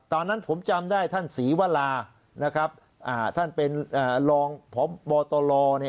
ตอนนั้นผมจำได้ท่านศรีวรานะครับอ่าท่านเป็นอ่ารองพบตลเนี่ย